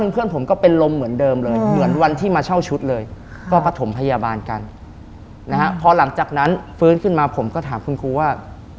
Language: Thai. ผมก็ถามคุณครูว่า